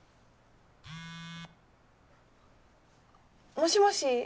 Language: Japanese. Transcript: もしもし？